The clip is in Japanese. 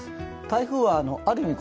台風はある意味